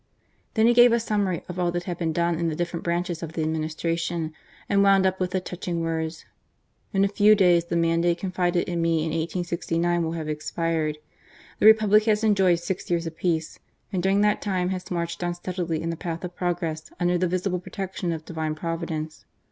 Then he gave a summary of all that had been done in the different branches of the administration, and wound up with the touching words :" In a few days the mandate confided to me in 1869 will have expired. The Republic has enjoyed six years of peace, and during that time has marched on steadily in the path of progress under the visible protection of Divine Providence.